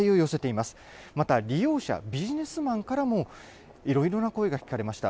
また利用者、ビジネスマンからもいろいろな声が聞かれました。